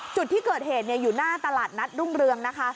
จุดที่เกิดเหตุอยู่หน้าตลาดนัดรุ่งเรืองนะคะ